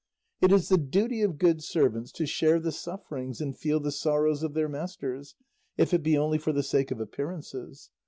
It is the duty of good servants to share the sufferings and feel the sorrows of their masters, if it be only for the sake of appearances.